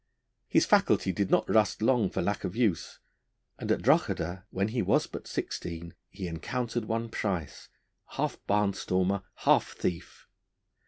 His faculty did not rust long for lack of use, and at Drogheda, when he was but sixteen, he encountered one Price, half barnstormer, half thief.